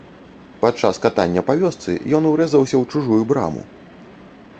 Падчас катання па вёсцы ён урэзаўся ў чужую браму.